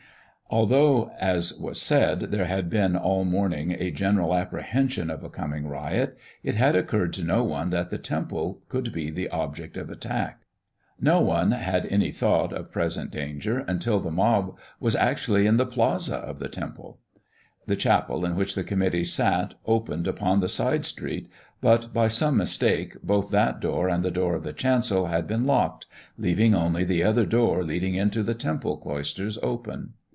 Although, as was said, there had been all morning a general apprehension of a coming riot, it had occurred to no one that the Temple could be the object of attack. No one had any thought of present danger until the mob was actually in the plaza of the Temple. The chapel in which the committee sat opened upon the side street, but, by some mistake, both that door and the door of the chancel had been locked, leaving only the other door leading into the Temple cloisters open.